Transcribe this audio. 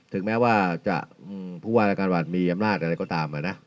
ถึงแม้ว่าจะผู้ว่ารายการวันมีอำนาจอะไรก็ตาม